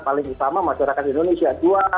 paling utama masyarakat indonesia